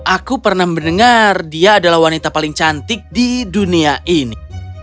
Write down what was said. aku pernah mendengar dia adalah wanita paling cantik di dunia ini